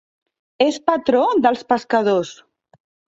És patró dels pescadors.